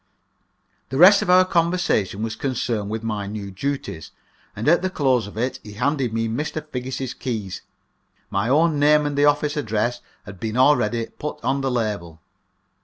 The rest of our conversation was concerned with my new duties, and at the close of it he handed me Figgis's keys my own name and the office address had been already put on the label.